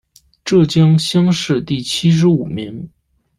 浙江乡试第七十五名。